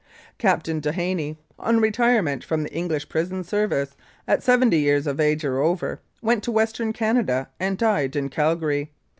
Captain Dennehy, on retirement from the Irish Prison Service, at seventy years of age or over, went to Western Canada and died in Calgary.